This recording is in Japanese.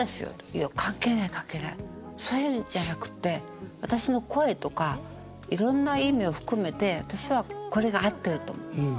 「いや関係ない関係ないそういうんじゃなくって私の声とかいろんな意味を含めて私はこれが合ってると思う」。